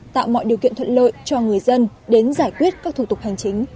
tạo mọi điều kiện thuận lợi cho người dân đến giải quyết các thủ tục hành chính